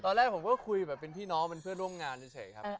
ตอนแรกผมก็คุยแบบเป็นพี่น้องเป็นเพื่อนร่วมงานเฉยครับ